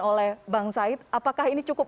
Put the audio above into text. oleh bang said apakah ini cukup